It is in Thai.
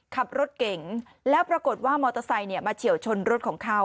ขับรถเก่งแล้วปรากฏว่ามอเตอร์ไซค์มาเฉียวชนรถของเขา